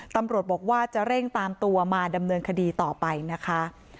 ตำรวจบอกว่าจะเร่งตามตัวมาดำเนินคดีต่อไปนะคะ